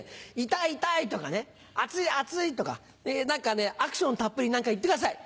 「痛い痛い」とかね「熱い熱い」とかアクションたっぷりに何か言ってください。